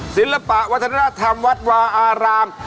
ศิลปะวัฒนธรรมวัดวาอาราม